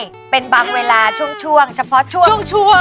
หรือว่าทั้งเวลาช่วงช่วงเฉพาะช่วง